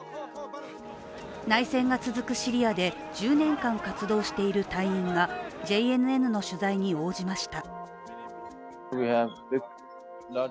内戦が続くシリアで、１０年間活動している隊員がＪＮＮの取材に応じました。